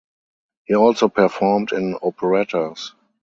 He also performed in operettas.